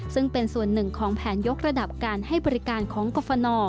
ซึ่งเป็นส่วนหนึ่งของแผนยกระดับการให้บริการของกรฟน